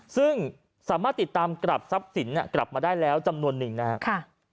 ซึ่งสามารถติดตามกลับทรัพย์สินกลับมาได้แล้วจำนวนหนึ่งนะครับ